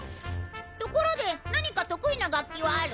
ところで何か得意な楽器はある？